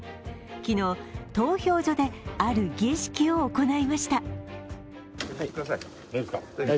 昨日、投票所である儀式を行いました。